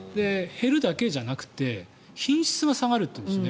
減るだけじゃなくて品質が下がるというんです。